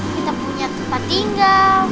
kita punya tempat tinggal